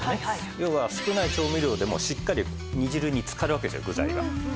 要は少ない調味料でもしっかり煮汁に漬かるわけですよ具材が。